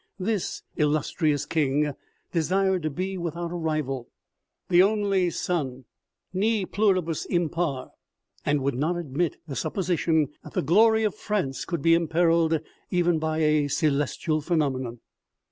This illus trious king desired to be without a rival, the only sun, " Nee pluribus impar !" and would not admit the sup position that the glory of France could be imperilled even by a celestial phenomenon.